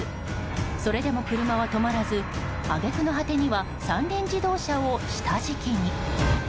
それでも車は止まらず揚げ句の果てには三輪自動車を下敷きに。